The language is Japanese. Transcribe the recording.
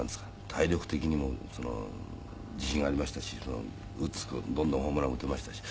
体力的にも自信ありましたしどんどんホームランも打てましたし。